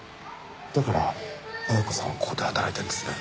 だから絢子さんはここで働いてるんですね。